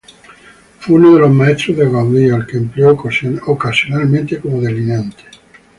Fue uno de los maestros de Gaudí, al que empleó ocasionalmente como delineante.